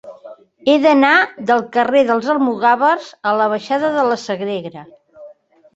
He d'anar del carrer dels Almogàvers a la baixada de la Sagrera.